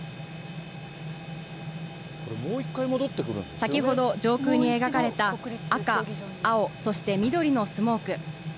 先ほど、上空に描かれた赤、青、そして緑のスモーク。